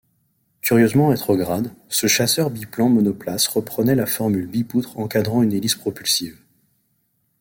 Curieusement rétrograde, ce chasseur biplan monoplace reprenait la formule bipoutre encadrant une hélice propulsive.